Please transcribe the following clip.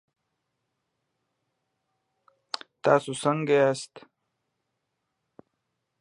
د مېلو له برکته خلک خپلي هنري وړتیاوي ښيي.